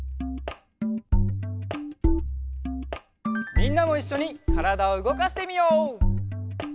みんなもいっしょにからだをうごかしてみよう！